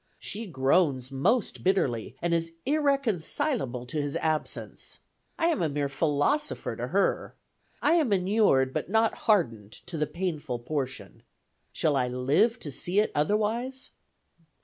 She groans most bitterly, and is irreconcilable to his absence. I am a mere philosopher to her. I am inured, but not hardened, to the painful portion. Shall I live to see it otherwise?"